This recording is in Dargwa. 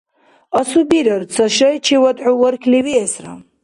Асубирар, ца шайчивад хӀу вархьли виэсра.